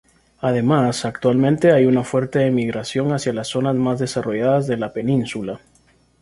Además, actualmente hay una fuerte emigración hacia las zonas más desarrolladas de la península.